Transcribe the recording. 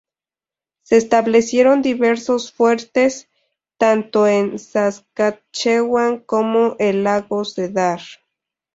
Se establecieron diversos fuertes tanto en Saskatchewan como el lago Cedar.